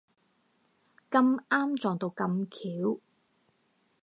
咁啱撞到咁巧